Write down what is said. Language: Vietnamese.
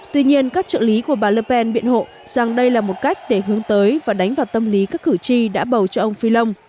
tuy nhiên các trợ lý của bà lerpen biện hộ rằng đây là một cách để hướng tới và đánh vào tâm lý các cử tri đã bầu cho ông philin